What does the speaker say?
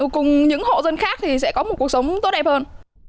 cùng những hộ dân khác thì sẽ có một cuộc sống tốt đẹp hơn